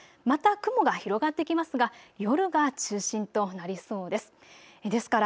また雲が広がってきますが夜が中心となりそうです。